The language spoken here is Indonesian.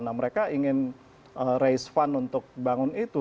nah mereka ingin race fund untuk bangun itu